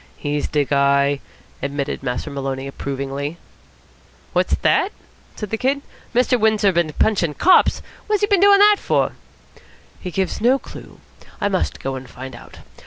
"He's de guy!" admitted Master Maloney approvingly. "What's that?" said the Kid. "Mr. Windsor bin punchin' cops! What's he bin doin' that for?" "He gives no clue. I must go and find out.